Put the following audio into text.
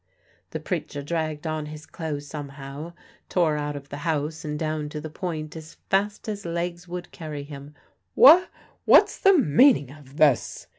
The preacher dragged on his clothes somehow, tore out of the house and down to the Point as fast as legs would carry him. "Wha what's the meanin' of this?"